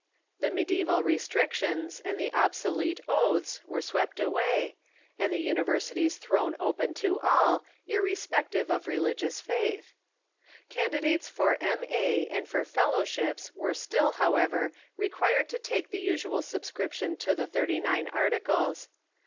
The mediaeval restrictions and the obsolete oaths Avere swept aAvay, and the universities thrown open to all, irrespective of religious faith. Candidates for M.A. and for fellowships Avere still, however, required to take the usual subscription to the SCHOLARS A>^D DIVINES OF THE ENGLISH CHURCH 361 Thirt3' nine Articles.